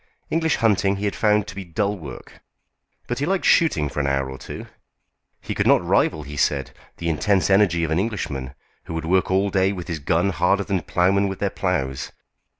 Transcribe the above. English hunting he had found to be dull work. But he liked shooting for an hour or two. He could not rival, he said, the intense energy of an Englishman, who would work all day with his guns harder than ploughmen with their ploughs.